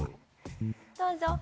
どうぞ。